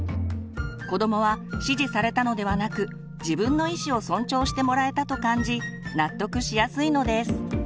子どもは指示されたのではなく「自分の意思」を尊重してもらえたと感じ納得しやすいのです。